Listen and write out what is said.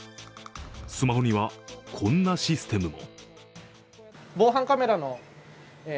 スマホには、こんなシステムも。